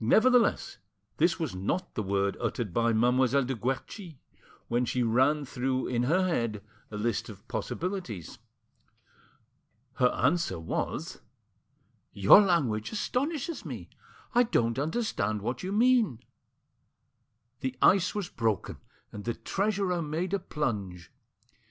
Nevertheless, this was not the word uttered by Mademoiselle de Guerchi while she ran through in her head a list of possibilities. Her answer was— "Your language astonishes me; I don't understand what you mean." The ice was broken, and the treasurer made a plunge.